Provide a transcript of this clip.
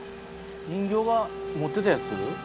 人形が持ってたやつ？